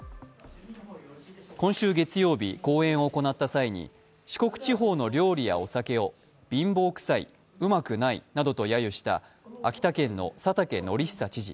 今週月曜日、講演を行った際に、四国地方の料理やお酒を貧乏くさい、うまくないなどと揶揄した秋田県の佐竹敬久知事。